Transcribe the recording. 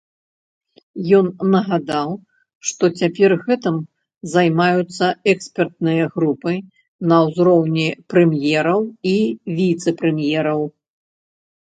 Ён нагадаў, што цяпер гэтым займаюцца экспертныя групы на ўзроўні прэм'ераў і віцэ-прэм'ераў.